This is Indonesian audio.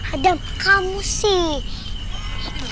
adam kamu sih